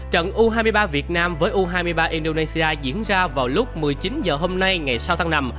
trận u hai mươi ba việt nam với u hai mươi ba indonesia diễn ra vào lúc một mươi chín h hôm nay ngày sáu tháng năm